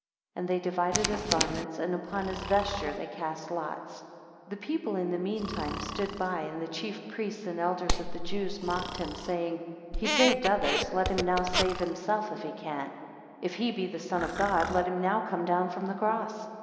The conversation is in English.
5 And they divided his garments, and upon his vesture they cast lots. 6 The people in the mean time stood by, and the chief priests and elders of the Jews mocked him, saying, He saved others, let him now save himself if he can; if he be the son of God, let him now come down from the cross.